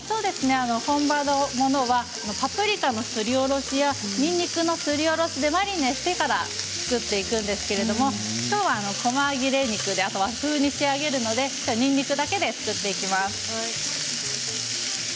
本場のものはパプリカやにんにくのすりおろしで、マリネしてから焼くんですが今日は、こま切れ肉で和風に仕上げるのでにんにくだけで作っていきます。